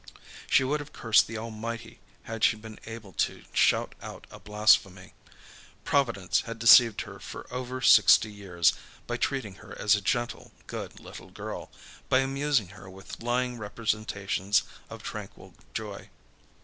She would have cursed the Almighty had she been able to shout out a blasphemy. Providence had deceived her for over sixty years, by treating her as a gentle, good little girl, by amusing her with lying representations of tranquil joy.